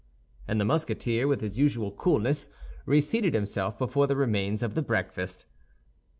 And the Musketeer, with his usual coolness, reseated himself before the remains of the breakfast.